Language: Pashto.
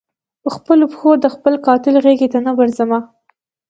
پر خپلو پښو د خپل قاتل غیږي ته نه ورځمه